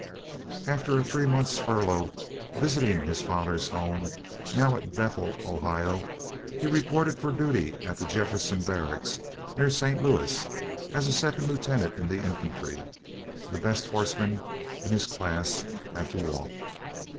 After a three months' furlough visiting his father's home, now at Bethel, Ohio, he reported for duty at the Jefferson Barracks, near St. Louis, as a second lieutenant in the infantry. The best horseman in his class had to walk!